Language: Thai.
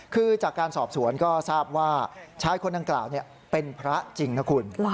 คือจากการสอบสวนก็ทราบว่าชายคนดังกล่าวเป็นพระจริงนะคุณ